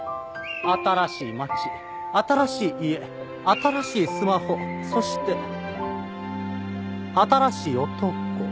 新しい町新しい家新しいスマホそして新しい男。